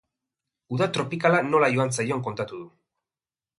Uda tropikala nola joan zaion kontatuk du.